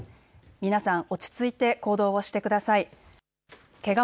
皆さん、落ち着いて行動をしてください。